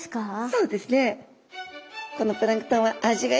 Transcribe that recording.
そうです